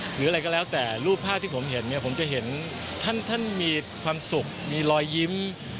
หรืออะไรก็แล้วแต่รูปภาพที่ผมเห็นเนี่ยผมจะเห็นท่านมีความสุขมีรอยยิ้ม